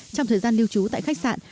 trong thời gian lưu trú tại khách sạn